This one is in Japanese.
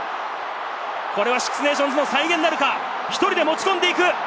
これはシックスネーションズの再現なるか、１人で持ち込んでいく！